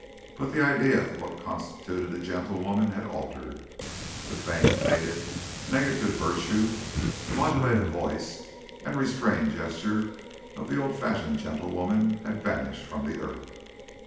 But the ideal of what constituted a gentlewoman had altered: the faint, faded, negative virtue, the modulated voice and restrained gesture of the old fashioned gentlewoman had vanished from the earth.